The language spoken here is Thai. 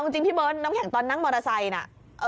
จริงพี่เบิ้ลนะเยงตอนนั่งมอเตอร์ไซด์นะ